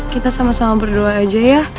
kita sama sama berdoa aja ya